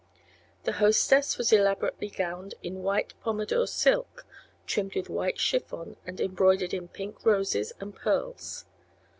The hostess was elaborately gowned in white pompadour satin, trimmed with white chiffon and embroidered in pink roses and pearls.